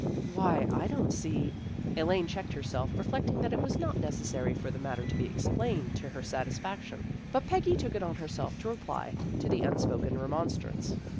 " Why, I don't see " Elaine checked her self, reflecting that it was not necessary for the matter to be explained to her satisfaction. But Peggy took it on herself to reply to the un spoken remonstrance.